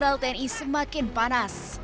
jenderal tni semakin panas